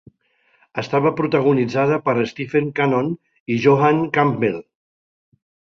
Estava protagonitzada per Stephen Cannon i Joanne Campbell.